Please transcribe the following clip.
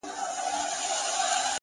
نظم د لویو ارمانونو ساتونکی دی,